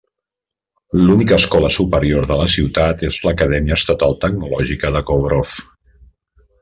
L'única escola superior de la ciutat és l'Acadèmia Estatal Tecnològica de Kovrov.